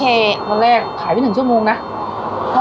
หมด